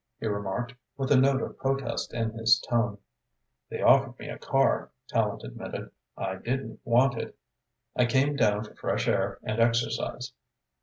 he remarked, with a note of protest in his tone. "They offered me a car," Tallente admitted. "I didn't want it. I came down for fresh air and exercise."